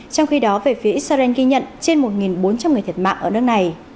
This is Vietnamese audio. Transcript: trong khi đó về phía israel ghi nhận trên một bốn trăm linh người thiệt mạng ở nước này